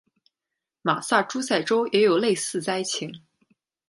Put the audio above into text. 马萨诸塞州也有类似灾情。